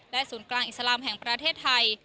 ศูนย์กลางอิสลามแห่งประเทศไทย